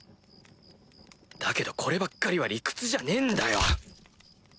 だけどこればっかりは理屈じゃねえんだよ！